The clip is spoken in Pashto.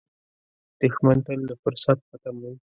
دښمن تل د فرصت په تمه وي